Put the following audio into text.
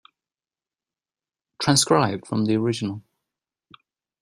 Transcribed from the original.